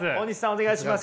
お願いします。